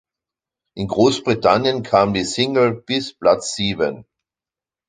In Großbritannien kam die Single bis Platz sieben.